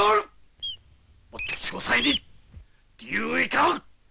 もっと詳細に理由いかん！